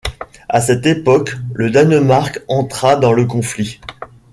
À cette époque, le Danemark entra dans le conflit.